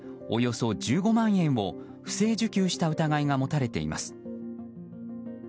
およそ１５万円を不正受給した疑いが持たれています。